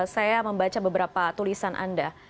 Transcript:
saya membaca beberapa tulisan anda